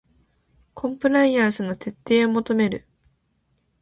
コンプライアンスの徹底を求める